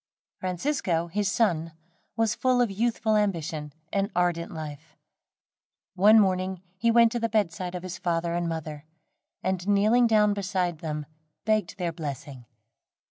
Francisco, his son, was full of youthful ambition and ardent life. One morning he went to the bedside of his father and mother, and kneeling down beside them begged their blessing.